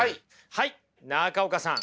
はい中岡さん。